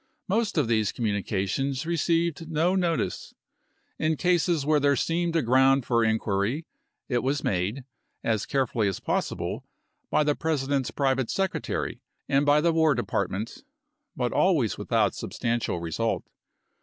Most of these communications received no notice. In cases where there seemed a ground for inquiry it was made, as carefully as possible, by the Pres ident's private secretary and by the War Depart ment, but always without substantial result.